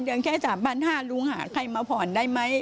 เดือนแค่๓๕๐๐ลุงหาใครมาผ่อนได้ไหม